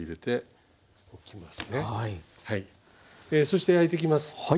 そして焼いていきます。